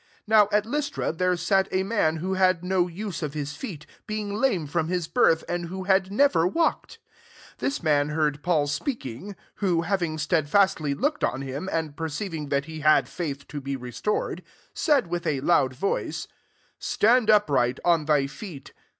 8 NOW at Lystra there sat a man who had no use of his feet, being lame from his births and who had never walked : 9 this man heard Paul speaking : who, having stedlastly looked on him, and perceiving that he had faith to be restored, 10 said with a loud voice, " Stand up right, on thy feet."